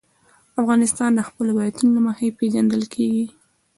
افغانستان د خپلو ولایتونو له مخې پېژندل کېږي.